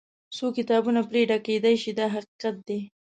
څو کتابونه پرې ډکېدای شي دا حقیقت دی.